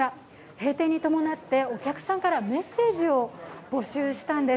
閉店に伴ってお客さんからメッセージを募集したんです。